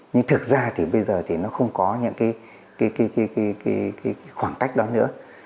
nhưng thực ra thì bây giờ thì nó không có những cái khoảng cách đó nữa